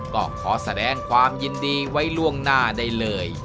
ก็ขอแสดงความยินดีไว้ล่วงหน้าได้เลย